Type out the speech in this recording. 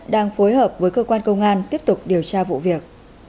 đang phối hợp với cơ quan công an tiếp tục điều tra vụ việc